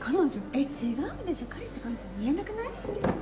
えっ違うでしょ彼氏と彼女に見えなくない？